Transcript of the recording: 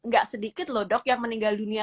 gak sedikit loh dok yang meninggal dunia